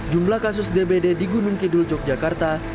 jumlah kasus dbd di gunung kidul yogyakarta